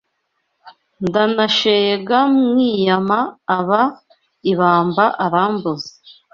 Ndanashega mwiyama Aba ibamba arambuza